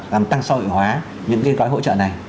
làm tăng xã hội hóa những cái gói hỗ trợ này